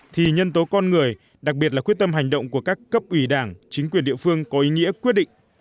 thì nhân tố con người đặc biệt là quyết tâm hành động của các cấp ủy đảng chính quyền địa phương có ý nghĩa quyết định